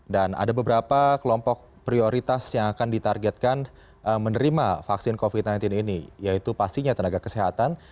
ada beberapa kelompok prioritas yang akan ditargetkan menerima vaksin covid sembilan belas ini yaitu pastinya tenaga kesehatan